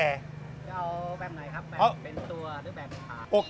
เอาแบบไหนครับแบบเป็นตัวหรือแบบเป็นขา